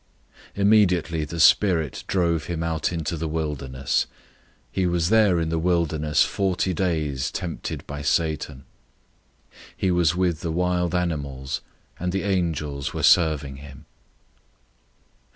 001:012 Immediately the Spirit drove him out into the wilderness. 001:013 He was there in the wilderness forty days tempted by Satan. He was with the wild animals; and the angels were serving him.